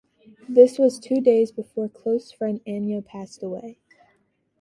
This was two days before close friend Ano passed away.